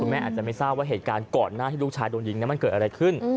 แม่อาจจะไม่ทราบว่าเหตุการณ์ก่อนหน้าที่ลูกชายโดนยิงมันเกิดอะไรขึ้น